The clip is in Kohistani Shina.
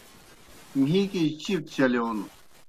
مِھیکِجیْ چِیٹ چلِیون